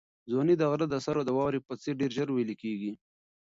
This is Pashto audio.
ځواني د غره د سر د واورې په څېر ډېر ژر ویلې کېږي.